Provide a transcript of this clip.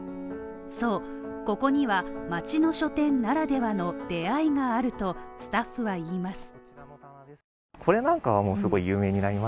そう、ここには町の書店ならではの出会いがあるとスタッフは言います。